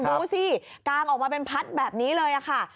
ดูสิกางออกมาเป็นพัดแบบนี้เลยค่ะ